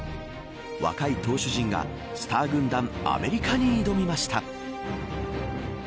若い投手陣がスター軍団アメリカに挑みました。